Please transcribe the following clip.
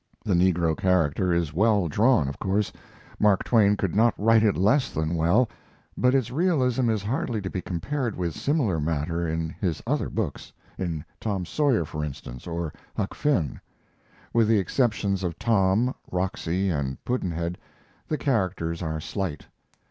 The negro character is well drawn, of course Mark Twain could not write it less than well, but its realism is hardly to be compared with similar matter in his other books in Tom Sawyer, for instance, or Huck Finn. With the exceptions of Tom, Roxy, and Pudd'nhead the characters are slight.